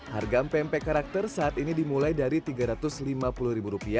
harga mpe mpe karakter saat ini dimulai dari rp tiga ratus lima puluh